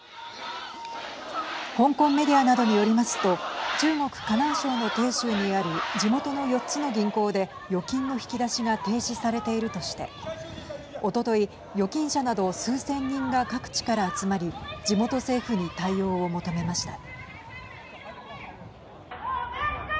香港メディアなどによりますと中国河南省の鄭州にある地元の４つの銀行で預金の引き出しが停止されているとしておととい、預金者など数千人が各地から集まり地元政府に対応を求めました。